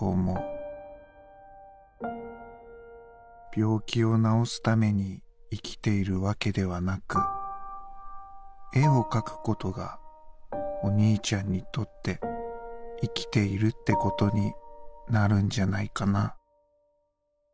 病気を治すために生きているわけではなく絵を描くことがお兄ちゃんにとって生きているってことになるんじゃないかな」。